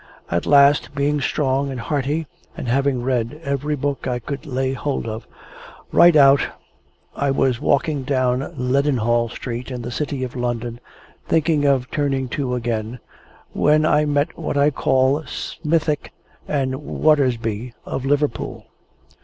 At last, being strong and hearty, and having read every book I could lay hold of, right out, I was walking down Leadenhall Street in the City of London, thinking of turning to again, when I met what I call Smithick and Watersby of Liverpool.